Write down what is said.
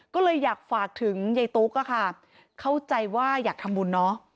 ก็เลยอยากฝากถึงยายตุ๊กอะค่ะเข้าใจว่าอยากทำบุญเนอะ